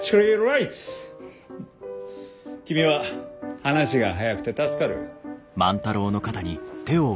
君は話が早くて助かる。